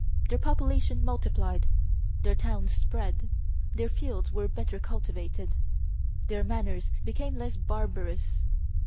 Their population multiplied; their towns spread; their fields were better cultivated; their manners became less barbarous.